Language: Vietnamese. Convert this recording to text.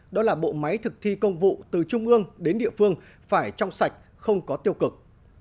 đó là bộ máy thực thi công vụ từ trung ương đến địa phương phải trong sạch không có tiêu cực